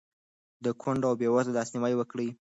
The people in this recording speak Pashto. د کونډو او بېوزلو لاسنیوی وکړئ.